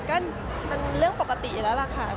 ก็มันเรื่องปกติแล้วล่ะค่ะ